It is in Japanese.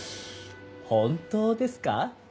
本当ですか？